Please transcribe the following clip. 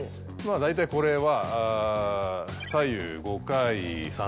大体これは。